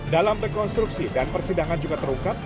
dalam rekonstruksi dan persidangan juga terungkap